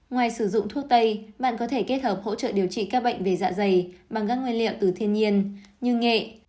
ngoài sử dụng thuốc tây bạn có thể kết hợp hỗ trợ điều trị các bệnh về dạ dày bằng các nguyên liệu từ thiên nhiên như nghệ